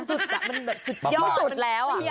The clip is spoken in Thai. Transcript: สุดอะมันแบบสุดแล้ว